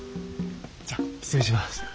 じゃあ失礼します。